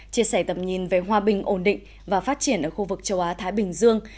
chia sẻ tầm nhìn về hòa bình ổn định và phát triển ở khu vực châu á thái bình dương